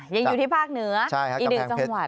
ยังอยู่ที่ภาคเหนืออีกหนึ่งจังหวัด